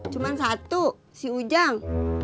cuma satu si ujang